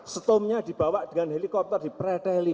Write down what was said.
stomnya dibawa dengan helikopter di preteli